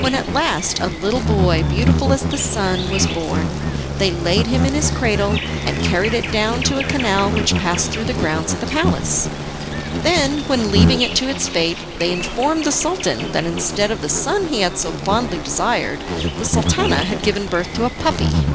When at last a little boy, beautiful as the sun, was born, they laid him in his cradle and carried it down to a canal which passed through the grounds of the palace. Then, leaving it to its fate, they informed the Sultan that instead of the son he had so fondly desired the Sultana had given birth to a puppy.